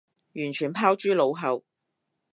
完全拋諸腦後